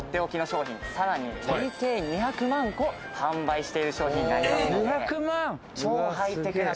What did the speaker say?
さらに累計２００万個販売している商品です。